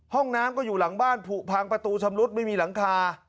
ห้องน้ำก็อยู่หลังบ้านผูพังประตูชำรุดไม่มีหลังคา